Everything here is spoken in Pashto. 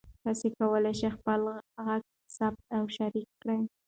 تاسي کولای شئ خپل غږ ثبت او شریک کړئ.